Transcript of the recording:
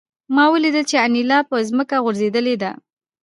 ما ولیدل چې انیلا په ځمکه غورځېدلې ده